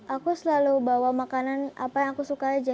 aku selalu bawa makanan apa yang aku suka aja